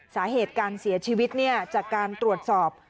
สาเหตุการเสียชีวิตจากการตรวจสอบ